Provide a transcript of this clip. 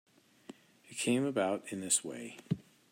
It came about in this way.